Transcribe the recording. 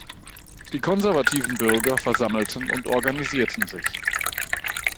Die konservativen Bürger versammelten und organisierten sich.